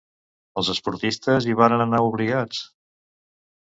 Els esportistes hi varen anar obligats?